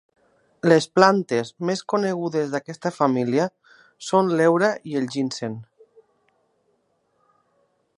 Les plantes més conegudes d'aquesta família són l'heura i el ginseng.